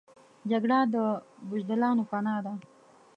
جګړه د بزدلانو پناه ده